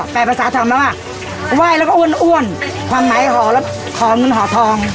แปลภาษาทำแบบว่าไหว้แล้วก็อ้วนอ้วนความหมายห่อแล้วห่อเงินห่อทอง